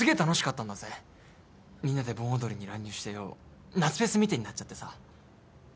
みんなで盆踊りに乱入してよ夏フェスみてえになっちゃってさ。